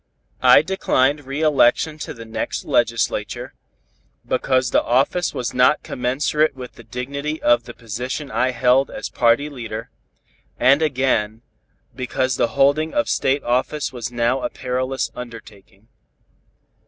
I declined re election to the next legislature, because the office was not commensurate with the dignity of the position I held as party leader, and again, because the holding of state office was now a perilous undertaking.